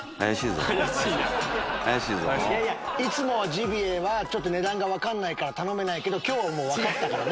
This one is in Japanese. いつもはジビエは値段が分からないから頼めないけど今日は分かってたからな。